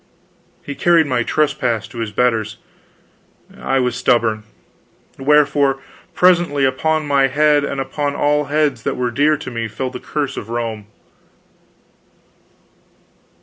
He carried my trespass to his betters; I was stubborn; wherefore, presently upon my head and upon all heads that were dear to me, fell the curse of Rome.